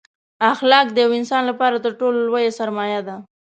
اخلاق دیوه انسان لپاره تر ټولو لویه سرمایه ده